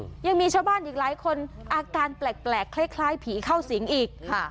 ยังมีชาวบ้านอีกหลายคนอาการแปลกแปลกคล้ายคล้ายผีเข้าสิงอีกค่ะ